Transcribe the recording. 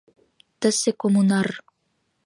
— Тысе коммунар.